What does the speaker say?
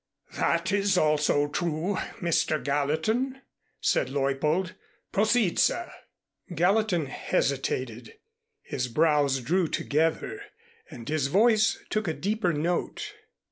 "That is also true, Mr. Gallatin," said Leuppold. "Proceed, sir." Gallatin hesitated, his brows drew together and his voice took a deeper note.